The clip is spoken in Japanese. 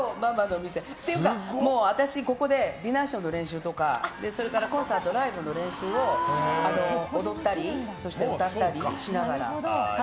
っていうか、私、ここでディナーショーの練習とかそれからコンサート、ライブの練習を踊ったり、歌ったりしながら。